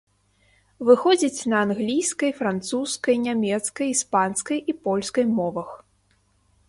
Выходзіць на англійскай, французскай, нямецкай, іспанскай і польскай мовах.